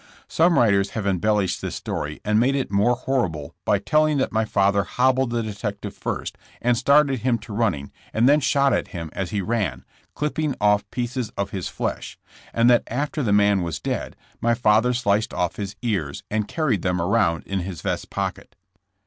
Some writers have embellished this story and made it the more horrible by telling that my father hobbled the detective first and started him to running and then shot at him as he ran, clipping off pieces of his flesh ; and that after the man was dead, my father sliced off his ears and carried them around in his vest pocket.